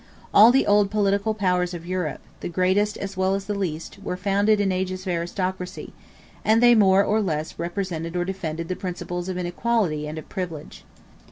All the old political powers of Europe, the greatest as well as the least, were founded in ages of aristocracy, and they more or less represented or defended the principles of inequality and of privilege.